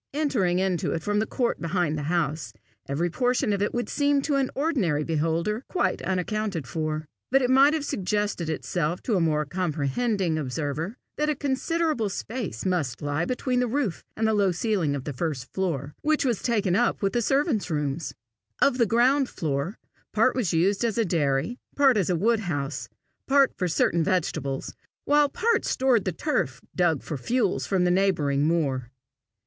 Entering it from the court behind the house, every portion of it would seem to an ordinary beholder quite accounted for; but it might have suggested itself to a more comprehending observer, that a considerable space must lie between the roof and the low ceiling of the first floor, which was taken up with the servants' rooms. Of the ground floor, part was used as a dairy, part as a woodhouse, part for certain vegetables, while part stored the turf dug for fuel from the neighbouring moor.